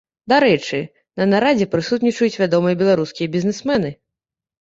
Дарэчы, на нарадзе прысутнічаюць вядомыя беларускія бізнесмены.